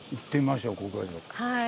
はい。